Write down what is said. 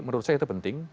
menurut saya itu penting